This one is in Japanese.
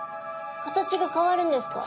形が変わるんですか？